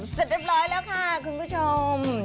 เสร็จเรียบร้อยแล้วค่ะคุณผู้ชม